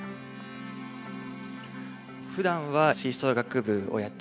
ふだんは吹奏楽部をやっていて。